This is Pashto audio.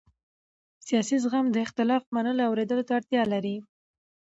سیاسي زغم د اختلاف منلو او اورېدو ته اړتیا لري